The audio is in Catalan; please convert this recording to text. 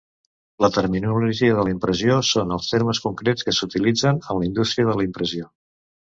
La terminologia de la impressió són els termes concrets que s'utilitzen en la indústria de la impressió.